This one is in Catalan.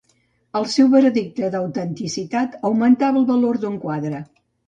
El seu veredicte d'autenticitat augmentava el valor d'un quadre.